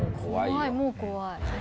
怖いもう怖い。